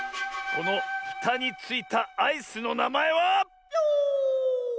このふたについたアイスのなまえは。